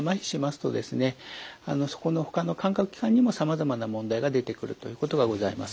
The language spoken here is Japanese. そこのほかの感覚器官にもさまざまな問題が出てくるということがございます。